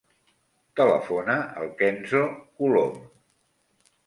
Telefona al Kenzo Colom.